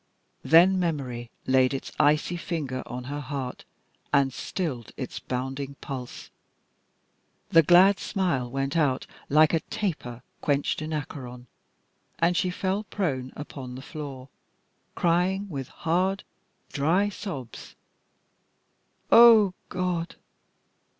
Then memory laid its icy finger on her heart and stilled its bounding pulse. The glad smile went out, like a taper quenched in Acheron, and she fell prone upon the floor, crying with hard, dry sobs, "O God!